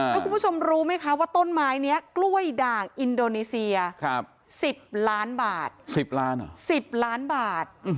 แล้วคุณผู้ชมรู้ไหมคะว่าต้นไม้เนี่ยกล้วยดั่งอินโดนีเซีย๑๐ล้านบาท